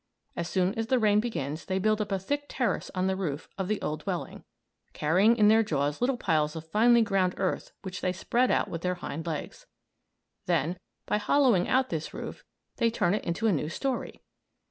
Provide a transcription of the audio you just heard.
As soon as the rain begins they build up a thick terrace on the roof of the old dwelling, carrying in their jaws little piles of finely ground earth which they spread out with their hind legs. Then, by hollowing out this roof, they turn it into a new story.